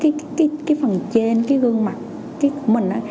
cái phần trên cái gương mặt của mình